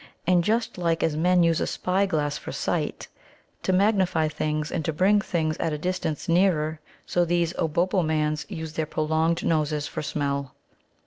And just as men use a spyglass for sight, to magnify things and to bring things at a distance nearer, so these Obobbomans use their prolonged noses for smell.